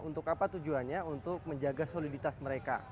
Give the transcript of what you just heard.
untuk apa tujuannya untuk menjaga soliditas mereka